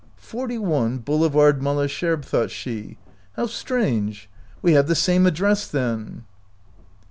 " Forty one Boulevard Malesherbes," thought she. "How strange ! We have the same address, then."